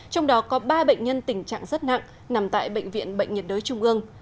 trong đó có ba bệnh nhân tình trạng rất nặng nằm tại bệnh viện bệnh nhiệt đới trung ương